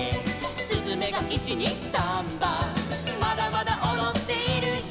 「すずめが１・２・サンバ」「まだまだおどっているよ」